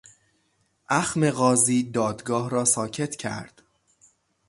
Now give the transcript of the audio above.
اخم قاضی، دادگاه را ساکت کرد.